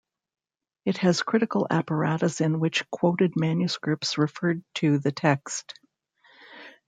It has critical apparatus in which quoted manuscripts referred to the text.